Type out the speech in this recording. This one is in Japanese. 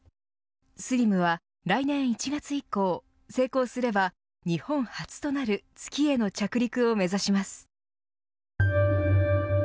ＳＬＩＭは来年１月以降成功すれば、日本初となる月への着陸を目指します。